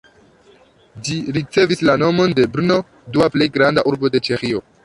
Ĝi ricevis la nomon de Brno, dua plej granda urbo de Ĉeĥio.